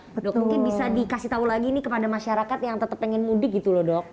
dok mungkin bisa dikasih tahu lagi nih kepada masyarakat yang tetap ingin mudik gitu loh dok